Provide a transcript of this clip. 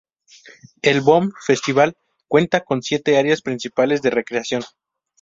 El Boom Festival cuenta con siete áreas principales de recreación.